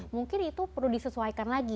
mungkin itu perlu disesuaikan lagi